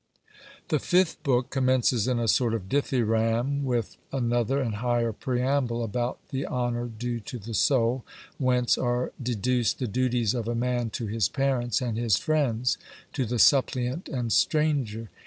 The fifth book commences in a sort of dithyramb with another and higher preamble about the honour due to the soul, whence are deduced the duties of a man to his parents and his friends, to the suppliant and stranger.